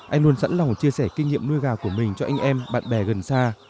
anh luôn sẵn lòng chia sẻ kinh nghiệm nuôi gà của mình cho anh em bạn bè gần xa